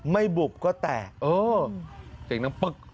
ไม่บุบก็แตะ